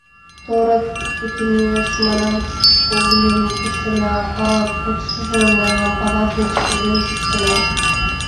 Торык пытымеш, манам, когыльым ыштена, а кодшыжым, манам, ават деч тоен пыштена.